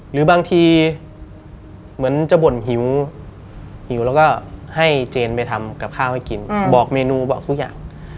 หรือบางทีเหมือนจะบ่นหิวหิวแล้วก็ให้เจนไปทำกับข้าวให้กินบอกเมนูบอกทุกอย่าง